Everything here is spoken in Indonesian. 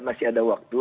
masih ada waktu